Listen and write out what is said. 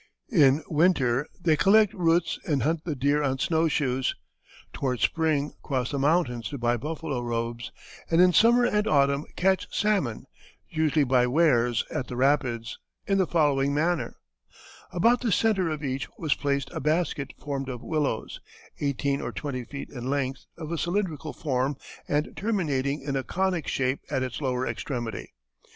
In winter they collect roots and hunt the deer on snow shoes, toward spring cross the mountains to buy buffalo robes, and in summer and autumn catch salmon, usually by weirs at the rapids, in the following manner: "About the centre of each was placed a basket formed of willows, eighteen or twenty feet in length, of a cylindrical form and terminating in a conic shape at its lower extremity.